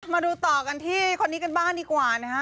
มาดูต่อกันที่คนนี้กันบ้างดีกว่านะฮะ